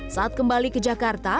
saat kembali ke jakarta